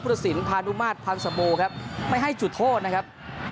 พุทธศิลป์พาดุมาสพันธ์สะโบครับไม่ให้จุดโทษนะครับ